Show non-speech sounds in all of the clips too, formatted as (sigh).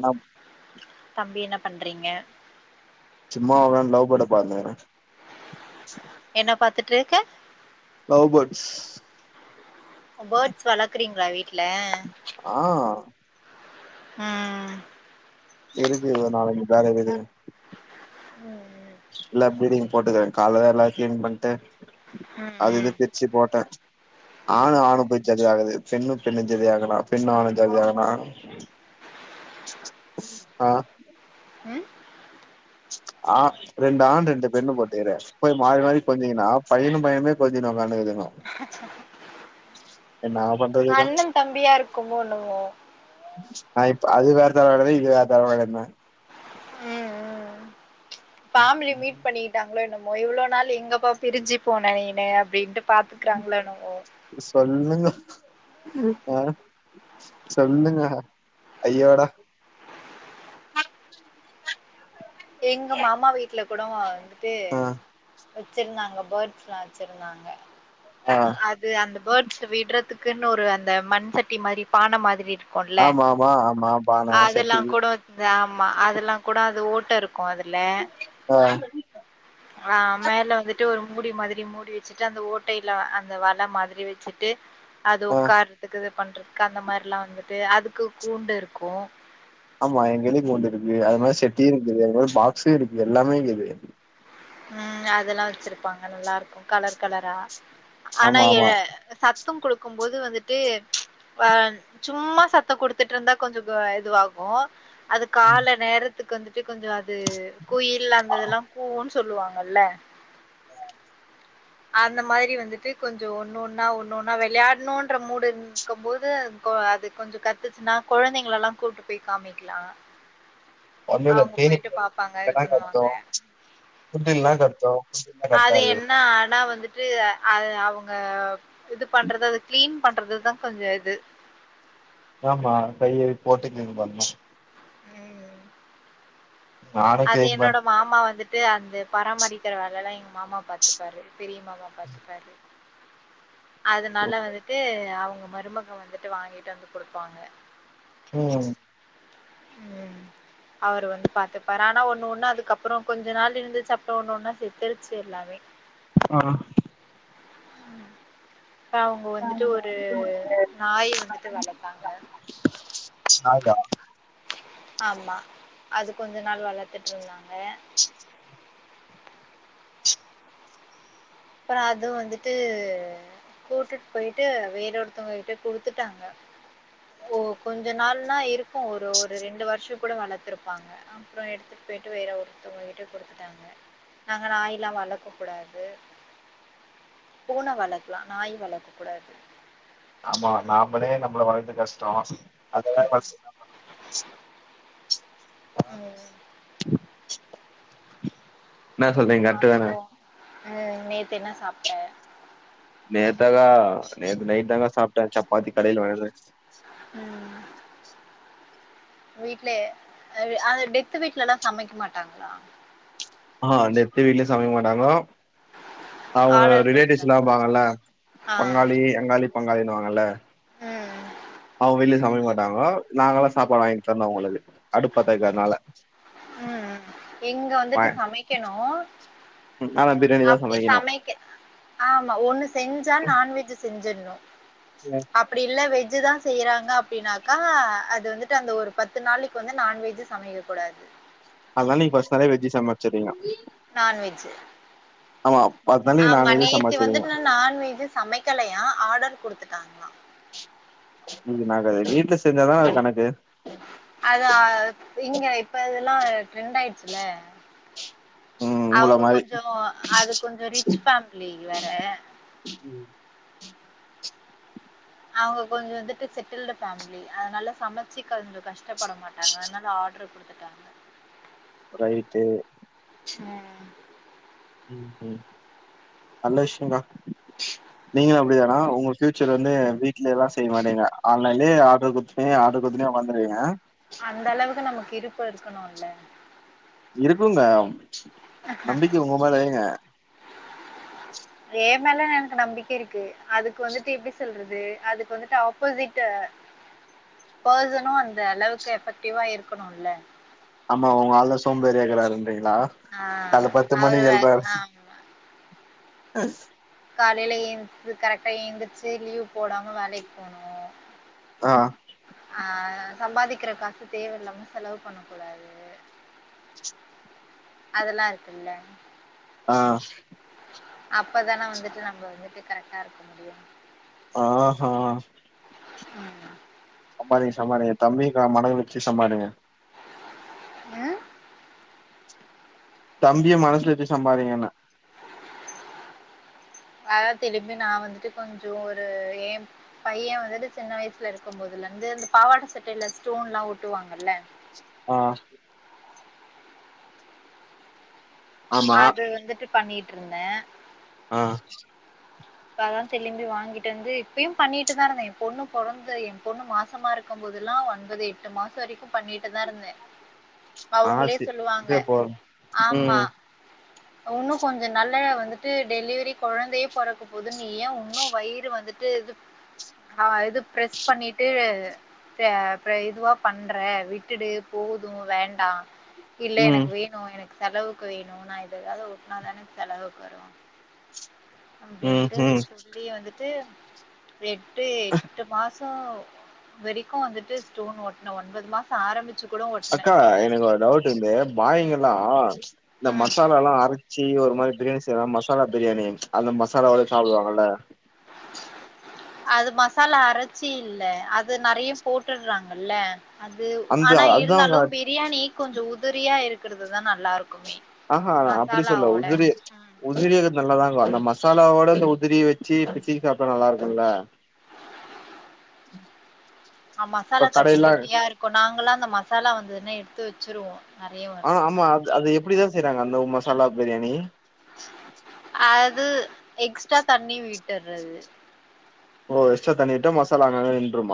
நா தம்பி என்ன பண்றீங்க சும்மா உக்காந்து லவ் பட பாத்துன்ருக்கிறே என்ன பாத்துட்டு இருக்க லவ் ஃபேர்ட்ஸ் ஃபேர்ட்ஸ் வளக்குறீங்ளா வீட்டு்ல ஆஹ் ம் டெரிபி ஒரு நாலாஞ்சு பேர் இருக்குதுங்க ம் எல்லா பீடிங் போட்டுக்கிறே காலதா எல்லா க்ளீன் பண்ட்டு அது இது பிரிச்சு போட்டே ஆணு ஆணு போய் ஜதி ஆகுது பெண்ணும் பெண்ணும் ஜதி ஆகனா பெண்ணும் ஆணும் ஜதி ஆகனா ஆ ஆ ரெண்டு ஆண் ரெண்டு பெண்ணு போட்டுக்கறே போய் மாறி மாறி கொஞ்சிங்கன்னா பையனு பையனுமே கொஞ்சிங் உக்காண்ட்துங்க அண்ணன் தம்பியா இருக்குமோ என்னமோ ஆ இப்ப அது வேற தரவ இது வேற தர வா இருந்தா ஃபேமிலி மீட் பண்ணிட்டாங்களோ என்னமோ இவ்ளோ நாள் எங்கப்பா பிரி்ஞ்சு போன நீனு அப்டின்ட்டு பாத்துக்கிறாங்ளோ என்னவோ சொல்லுங்க ஆ சொல்லுங்க ஐயோடா எங்க மாமா வீட்ல கூட வந்துட்டு ஆ வச்சிருந்தாங்க பேர்ட்ஸ் எல்லா வச்சிருந்தாங்க ஆ அது அந்த பேர்ட்ஸ் விடுற துக்குன்னு ஒரு அந்த மண் சட்டி மாரி பானை மாரி இரு குள்ள ஆமா ஆமா ஆமா பான அதெல்லா செட்டி கூட வெச்சிருந்தா ஆமா அதெல்லா கூட அது ஓட்ட இருக்கு அதுல ஆ ஆ மேல வந்துட்டு ஒரு மூடி மாதிரி மூடி வச்சிட்டு அந்த ஓட்டையில அந்த வலை மாதிரி வச்சிட்டு அது ஆ உக்காரதுக்கு இது பண்றதுக்கு அந்த மாரி எல்லா வந்துட்டு அதுக்கு கூண்டு இருக்கு ஆமா எங்கையிலையு கூண்டு இருக்குது அது மாரி செட்டியு இருக்குது அது மாரி ஃபாக்ஸு இருக்கு எல்லாமே இக்குது ம் அதெல்லா வச்சிருப்பாங்க நல்லா இருக்கு கலர் கலரா ஆனா ஆமா ஏ ஆமா சத்தம் குடுக்கும்போது வந்துட்டு ஆ சும்மா சத்த குடுத்துட்டு இருந்தா கொஞ்சோ இதுவாகு அது கால நேரத்துக்கு வந்துட்டு கொஞ்சோ அது குயில் அந்த இதெல்லா கூவுன்னு சொல்லுவாங்கல்ல அந்த மாரி வந்துட்டு கொஞ்சோ ஒண்ணு ஒன்னா ஒண்ணுன்னா வெளயாடணுன்ற மூடு இருக்கும்போது அது கொஞ்சோ கத்துச்சுன்னா கொழந்தைங்கள எல்லா கூப்பிட்டு போய் காமிக்கலா ஒன்னு இல்ல அவங்க தீனி போயிட்டு பாப்பாங்க இது பண்ணுவாங்க புஃட் இல்லன்னா கத்து இல்லன்னா கத்தாது வந்துட்டு அவுங்க இது பண்றது அது கிளீன் பண்றதுதா கொஞ்சோ இது ஆமா கையழி போட்டு கிண்டுவாங்கம்மா நானு அது கிளீன் பண் என்னோட மாமா வந்துட் டு அந்த பராமரிக்கிற வேல எல்லா எங்க மாமா பாத்துப்பாரு பெரிய மாமா பாத்துப்பாரு (inaudible) அதனால வந்துட்டு அவுங்க மருமக வந்துட்டு வாங்கிட்டு வந்து குடுப்பாங்க ம் ம் அவரு வந்து பாத்துட் பரானா ஒண்ணு ஒண்ணு அதுக்கப்றோ கொஞ்ச நாள் இருந்துச்சு அப்றோ ஒண்ணு ஒண்ணா செத்துருச்சு எல்லாமே ஆஹ் நாங்க மட்டு ஒரு (inaudible) நாயா ஆமா அது கொஞ்ச நாள் வளத்துட்டு இருந்தாங்க அப்றோ அது வந்துட்டு கூட்டுட்டு போயிட்டு வேற ஒருத்தவங்ககிட்ட குடுத்துட்டாங்க ஓ கொஞ்ச நாள்னா இருக்கு ஒரு ஒரு ரெண்டு வருஷ் கூட வளர்த்துப்பாங்க அப்றோ எடுத்துட்டு போயிட்டு வேற ஒருத்தவங்கங்கிட்ட குடுத்துட்டாங்க நாங்க நாய் எல்லா வளக்க கூடாது பூன வளக்கலா நாய் வளக்க கூடாது ஆமா நாமலே நம்மள வளர்கது கஷ்டோ அதுல (unintelligible) ம் என்ன சொல்றீங்க கரேட்டு தானே ம் நேத்து என்ன சாப்ட நேத்தாக்கா நேத் நைட்தாங்க சாப்டே சப்பாத்தி கடைல வாங்கிட்டு வந்து ம் வீட்லயே அது டெத்து வீட்லல்லா சமைக்க மாட்டாங்களா ஆஹ் டெத்து வீட்ல சமைக்க மாட்டாங்கோ அவங்க ரிலேட்டிவ்ஸ்ல்லா இருப்பாங்கல்ல பங்காளி அங்காளி பங்காளினுவாங்க ம் ம் அவுங்க வீட்லயு சமைக்க மாட்டாங்கோ நாங்களா சாப்பாடு வாங்கிதரணு அவ்வளது அடுப்பு பத்த வைக்காதனால ம் ம் இங்க வந்துட்டு சமைக்கணு ஆனா பிரியாணி தா அப்டி சமைக்கணு சமைக்க ஆமா ஒண்ணு செஞ்சா நான்வெஜ் செஞ்சிட்ணு அப்டி இல்ல வெஜ் வெஜ் தா செய்யறாங்க அப்டின்னாக்கா அது வந்துட்டு அந்த ஒரு பத்து நாளைக்கு வந்து நான்வெஜ் சமைக்க கூடாது அதனால நீங்க ஃபஸ்ட் நாளே வெஜ் சமச்சுறீங்க நான்வெஜ்ஜூ ஆமா பத் ஆமா நேத்து வந்துட்டு நா நான்வெஜ் சமைக்கலையா ஆடர் குடுத்துட்டாங்ளா (inaudible) இது நாங்க வீட்ல செஞ்சாதா அது கணக்கு அதா அஹ இங்க இப்ப இதெல்லா ட்ரெண்டா ஆயிடுச்சுல ம் உங்கள அவுங்க மாரி கொஞ்சோ அது கொஞ்சோ ரிச் ஃபேமிலி வேற ம் அவுங்க கொஞ்சோ வந்துட்டு செட்டில்டு ஃபேமிலி அதனால சமைச்சுக் கொஞ்சோ கஷ்ட டப்பட மாட்டாங்க அதனால ஆடரு குடுத் ரைய்ட்டு ம் ம் நல்ல விஷ்யங்க்கா நீங்களு அப்டிதானா ஒங்க பியூச்சர் வந்து வீட்லயல்லா செய் மாட்டீங்க ஆன்லைன்லயே ஆட்ரு குட்த்துபிங்க ஆட்ரு கு தினோ வந்துருவீங்க அந்தளவுக்கு நமக்கு இருப்பு இருக்கணுல்ல இருக்குங்க நம்பிக்க ஒங்க மேல வைங்க ஏ மேலலா எனக்கு நம்பிக்க இருக்கு அதுக்கு வந்துட்டு எப்டி சொல்ற து அதுக்கு வந்துட்டு ஆபோசிட்டு பர்சனு அந்தளவுக்கு எஃபெக்டிவா இருக்கணுல்ல ஆமா ஒங்க ஆள் தா சோம்பேறியாருக்றான்றிங்ளா கால்ல பத்து மணிக்கு எழ்றாரு (unintelligible) காலைல எந்து கரெக்டா எந்திர்ச்சு லீவ் போடாம வேலைக் போணு ஆ ஆ சம்பாதிக்கிற காசு தேவயில்லாம செலவு பண்ண கூடாது அதலாருக்குல்ல ஆ அப்பதான வந்துட்டு நம்ம வந்துட்டு கரெக்டாருக்க முடியு ஆ ஹா ம் சம்பாதிங்க சம்பாதிங்க தம்பி க மனது வச்சு சம்பாதிங்க அ தம்பிய மனசுல வச்சு சம்பாரிங்கன்னே அதா திருப்பி நா வந்துட்டு கொஞ்சோ ஒரு எ பையே வந்துட்டு சின்ன வயசுல இருக்கு போது லந்து அந்த பாவாட சட்டைல ஸ்டோன்ல்லா ஒட்டுவாங்கல்ல ஆ ஆமா அது வந்துட்டு பண்ணிட்ருந்தே ஆ இப்ப அதா திளும்பி வாங்கிட்டு வந்து இப்பயு பண்ணிட்டு தாருந்தே எ பொண்ணு பொறந்து எ பொண்ணு மாசமாருக்கு போ துல்லா ஒன்பது எட்டு மாசோ வரைக்கு பண்ணிட்டுதாருந்தே ஆ அவுங்ளே சே சொல்லுவாங்க இதே போதும் ஆமா ம் உன்னு கொஞ்ச நாள்ல வந்துட்டு டெலிவிரி கொழந்தையே பொற க்க போது நீ ஏ உன்னு வயிறு வந்துட்டு இது ஆ இது ப்ரெஸ் பண்ணிட்டு ச ப்ரே இதுவா பண்ற விட்டுடு போது வேண்டா இல்ல ம் எனக்கு வேணு என செலவுக்கு வேணு நா இது எதாவ்து ஒட்னா தான செலவுக்கு வரு ம் அப்டின்ட்டு ம் சொல்லி வந்துட்டு ரெட்டு எட்டு மாசோ வரைக்கு வந்துட்டு ஸ்டோன் ஒட்ன ஒன்பது மாசோ ஆரம்பி அக்கா எனக்கு ஒரு டவுட்டு இந்த பாயிங்கலா இந்த மசாலாலா அரச்சி டி ஒரு மாரி பிரியாணி செய்வாங்க மசாலா பிரியாணி அந்த மசாலாவோட சாப்டுவாங்கல அது மசாலா அரைச்சி இல்ல அது நெறய போட்டுட்றாங்கல அது அந்த ஆனா அதாங்க இருந்தாலு பிரியாணி கொஞ்சோஉதிரியா இருக்குரது தா நல்லாரு ஆ ஹா நா அப்டி சொல்ல உதிரி உதிரியது நல்லாதாருக்கு அந்த ம சாலாவோட இந்த உதிரி வச்சி பிச்சி சாப்டா நல்லாருக்குல ஆ மசாலா இப்ப கட்டி கடையெல்லா கட்டியாருக்கு நாங்களா அந்த மசாலா வந்ததுன்னா எடுத்து வச்சிருவோ ஆ ஆமா அ அது எப்டிதா செய்றாங்க அந்த மசாலா பிரியாணி அது எக்ஸ்ட்டா தண்ணி விட்டர்ரது ஓ எஸ்டா தண்ணி விட்டா மசாலா அங்கங்க நின்றும்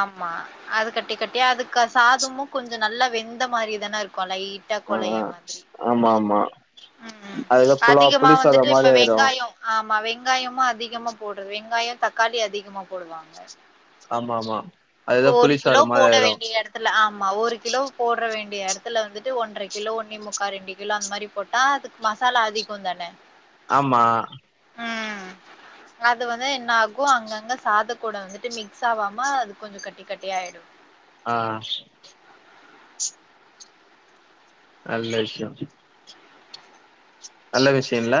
ஆமா அது கட்டி கட் டியா அதுக்கா சாதமு கொஞ்சோ நல்லா வெந்த மாரி தானருக்கு லை ட்டா ஆ ஆ கொழைய மாதிரி ஆமா ஆமா ம் அதுல புலாவ் அதிகமா புளி சாதோ வந்துட்டு இப்ப மாரி ஆயிரு வெங்காயோ ஆமா வெங்காயமு அதிகமா போடு வெங்காயொ தக்காளி அதிகமா ஆமாமா ப்ப ஒரு கிலோ போட வேண்டிய எடத்துல ஆமா ஒரு கிலோவ் போட்ற வேண்டிய எடத்துல வந்துட்டு ஒன்ற கிலோ ஒன்னே முக்கா ரெண்டு கிலோ அந் மாரி போட்டா அதுக்கு மசாலா அதிகோந்தான ஆமா ம் அது வந்து என்ன ஆகு அங்கங்க சாத கூட வந்துட்டு மிக்ஸ் ஆவாம அது கொஞ்சொ கட்டி கட்டியா ஆயிடு ஆ நல்ல விஷ்யொ நல்ல விஷியில்ல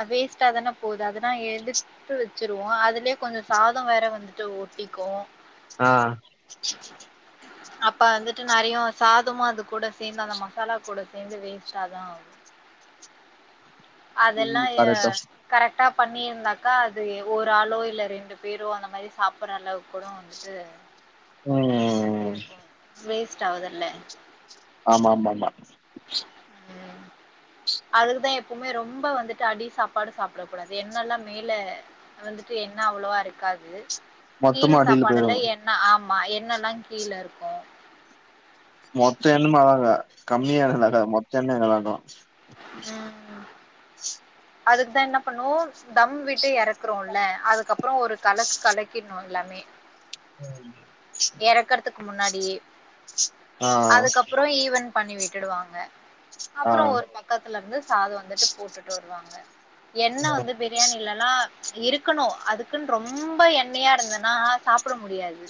அ வேஸ்ட்டா தான போது அதுனா எடுத்து வச்சிருவோ அதுலே கொஞ்ச சாதொ வேற வந்துட்டு ஓட்டிக் கோ அ அப்ப அந்துட்டு நிறியு சாதமு அது கூட சேந்து அந்த மசாலா கூட சேந்து வேஸ்ட்டா தா ஆகு அதெல்லா ம் எ கரெக்டா கரக் டா பண்ணீர்ந்தாக்கா அது ஒரு ஆளோ இல்ல ரெண்டு பேரோ அந்த மாரி சாப்புற்ற அளவுக் கூடொ வந்துட்டு ம் இருக்கு வேஸ்ட் ஆவுதுல்ல ஆமாமாமா ம் அதுக்குதா எப்புமே ரொம்ப வந்துட்டு அடி சாப்பாடு சாப்புட கூடாது எண்ணலா மேல வந்துட்டு எண்ண அவ்வுளவா இருக்காது மொத்தமா கீழ அடில போயிரு சாப்பாடுல எண்ண ஆம் மா எண்ணல்லா கீழ இருக்கு மொத்த எண்ணும ஆக கம்மியாருக்குல்லகா மொத் எண்ணயு கலக்கு அதுக்தா என்ன பண்ணு தம் விட்டு எறக்குறோல்ல அதுக்கப்புரோ ஒரு கலக்கு கலக்கிட் நோன் லமே எறக்கர்துக் முன்னாடியே ஆ அதுக்கப்புரோ ஈவன் பண்ணி விட்டுடுவாங்க ஆ அப்புறொ ஒரு பக்கத்துலர்ந்து சாது வந்துட்டு போட்டுட்டு வருவாங்க எண்ண வந்து பிரியாணிலலா இருக்கணு அதுக்குன் ரொம்ப எண்ணியா இருந்துனா அ சாப்புட முடியாது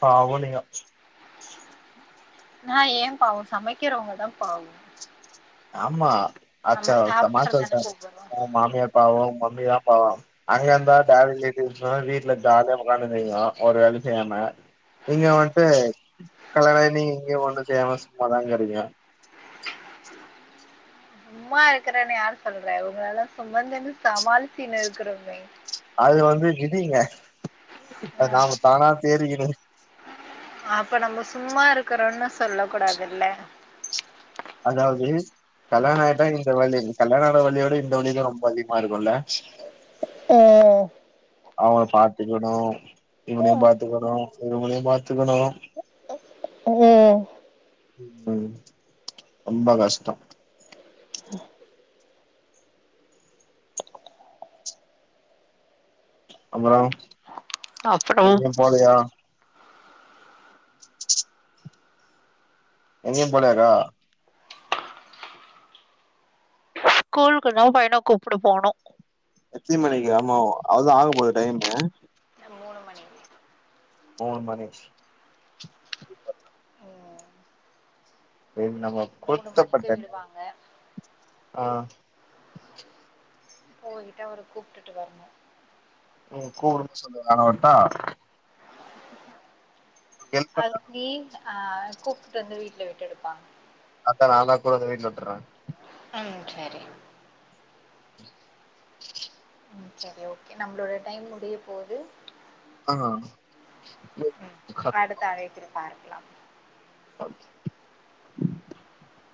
பாவொ நீங்க நா ஏ பாவொ சமக்கிரவ்ங்க தா பாவொ ஆமா அச்சாஓச மாஸ்டோச ஓ மாமியார் பாவோ ஓ மம்மி தா பாவொ அங்க இர்ந்தா காலைலே எந்திப்ப வீட்ல ஜால்யா ஒக்காந்திந்திங்கோ ஒரு வேல்யு செய்யாம நீங்க வன்ட்டு கல்யாணாய் நீங்க இங்க ஒன்னு செய்யாம சும்மாதாங்கறிங்க சும்மா இருக்குறேன் யார சொல்ற உங்களலா சுமந்தனு சமாளிச்சினு இருக்குறோமே அதுல வந்து விதிங்க நாம தானா சேரிகினு அப்ப நம்ப சும்மா இருக்குறன்னு சொல்ல கூடாதுல்ல அதாவ்து கல்யாண ஆயிட்டா இந்த வலி கல்யாண ஆன வலியோட இந்த வலி தா ரொம்ப அதிகமா இருக்குல்ல ஒ ஒ அவன பாத்துக்கணு இவுனியு ஓ பாத்துக்கணு இவுங்ளியு பாத்துக்கணு ம் ம் ரொம்ப கஷ்ட்டொ அப்புறொ அப்புறம் எங்யு போலயா எங்யு போலயாகா ஸ்கூலுக்கு தா பையன கூப்புட போணு எத்தி மணிக்கு ஆமா அவுள்தா ஆக போது டைம்மு மூணு மணி நமக்கு கொடுத்தப்பட்ட நேரம் ஆ போயிட்டு அவர கூப்பிட்டுட்டு வரணு உங்க கூட சேர்ந்து நானு வரட்டா ஹெல்ப் அதுக்கு பண்ண நீ ஆ கூப்பிட்டு வந்து வீட்டுல விட்டுடுப்பா அத்த நாதா கொண்டாந்து வீட்ல விட்டுற ம் சரி ம் சரி ஓகே நம்பளோட டைம் முடிய போது ஆ ம் அடுத்த அழைப்பில்ல பார்க்கலா ம்